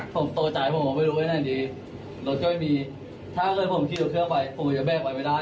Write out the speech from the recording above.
ผมโตจ่ายผมว่าไม่รู้ว่าไงดีรถก็ไม่มีถ้าเกิดผมคิดว่าเครื่องไฟผมก็จะแบกไว้ไม่ได้